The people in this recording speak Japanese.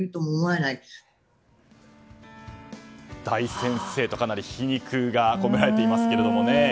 大先生とかなり皮肉が込められていますけれどもね。